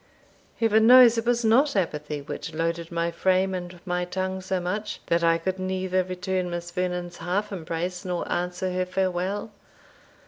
Heaven knows, it was not apathy which loaded my frame and my tongue so much, that I could neither return Miss Vernon's half embrace, nor even answer her farewell.